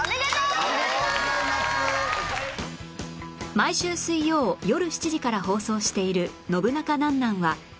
毎週水曜よる７時から放送している『ノブナカなんなん？』は